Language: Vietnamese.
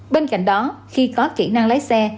bên cạnh đó khi có kỹ năng lái xe